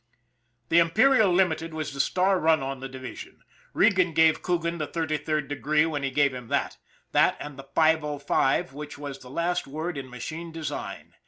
The Imperial Limited was the star run on the divi sion Regan gave Coogan the thirty third degree when he gave him that that and 505, which was the last word in machine design.